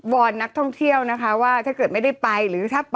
มันเติมเหรอ